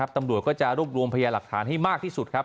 ตำรวจก็จะรวบรวมพยาหลักฐานให้มากที่สุดครับ